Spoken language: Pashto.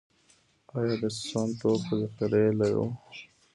آیا د سون توکو ذخیرې لرو؟